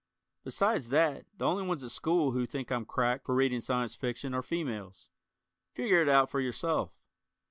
[?] Besides that, the only ones at school who think I'm "cracked" for reading Science Fiction are females. Figure it out for yourself.